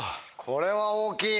これは大きい！